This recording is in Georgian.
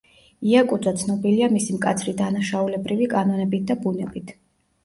იაკუძა ცნობილია მისი მკაცრი დანაშაულებრივი კანონებით და ბუნებით.